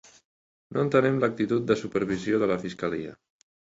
No entenem l’actitud de supervisió de la fiscalia.